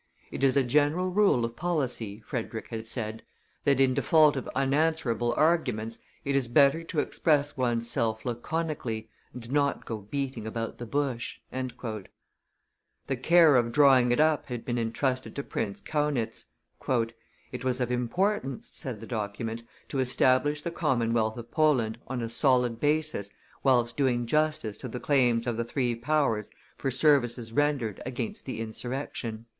"It is a general rule of policy," Frederick had said, "that, in default of unanswerable arguments, it is better to express one's self laconically, and not go beating about the bush." The care of drawing it up had been intrusted to Prince Kaunitz. "It was of importance," said the document, "to establish the commonwealth of Poland on a solid basis whilst doing justice to the claims of the three powers for services rendered against the insurrection."